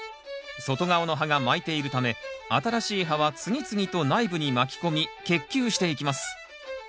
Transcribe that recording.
外側の葉が巻いているため新しい葉は次々と内部に巻き込み結球していきます。